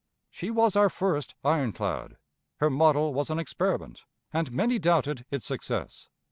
She was our first ironclad; her model was an experiment, and many doubted its success.